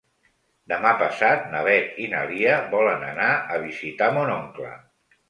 Demà passat na Beth i na Lia volen anar a visitar mon oncle.